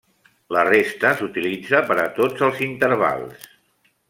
La resta s'utilitza per a tots els intervals.